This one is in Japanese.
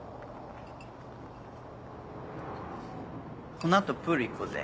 この後プール行こうぜ。